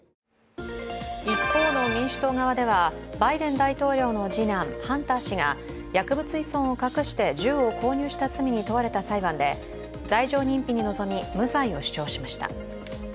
一方の民主党側では、バイデン大統領の次男ハンター氏が薬物依存を隠して銃を購入した罪に問われた裁判で罪状認否に臨み、無罪を主張しました。